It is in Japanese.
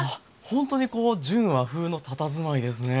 ほんとにこう純和風のたたずまいですね。